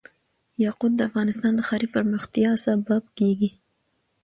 یاقوت د افغانستان د ښاري پراختیا سبب کېږي.